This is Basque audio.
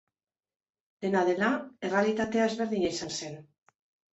Dena dela, errealitatea ezberdina izan zen.